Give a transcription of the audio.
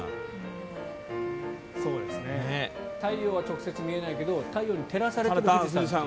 太陽は直接見えないけど太陽に照らされてる富士山は。